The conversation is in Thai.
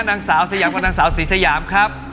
นางสาวสยามกับนางสาวศรีสยามครับ